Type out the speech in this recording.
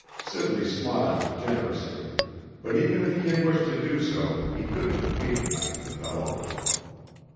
Sibley smiled generously; but even if he had wished to do so, he couldn't have patronized the fellow.